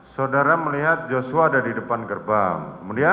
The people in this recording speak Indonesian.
saudara melihat joshua ada di depan gerbang